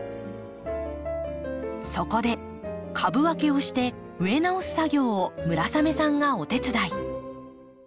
そこで株分けをして植え直す作業を村雨さんがお手伝い。